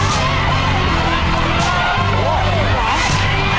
จำนวน๒๕ชุด